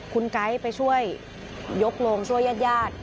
คุณไก๊ไปช่วยยกลงช่วยญาติ